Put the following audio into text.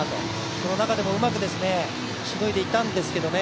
その中でもうまくしのいでいたんですけどね。